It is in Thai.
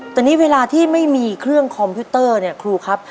แต่นี่เวลาที่ไม่มีเครื่องคอมพิวเตอร์เนี่ยครูครับ